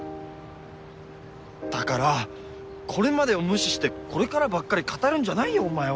だからこれまでを無視してこれからばっかり語るんじゃないよお前は。